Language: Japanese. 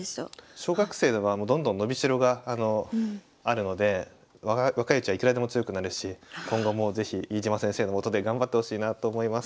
小学生はもうどんどん伸び代があるので若いうちはいくらでも強くなるし今後も是非飯島先生のもとで頑張ってほしいなと思います。